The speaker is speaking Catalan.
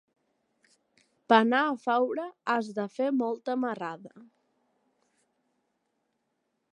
Per anar a Faura has de fer molta marrada.